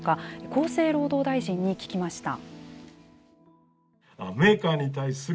厚生労働大臣に聞きました。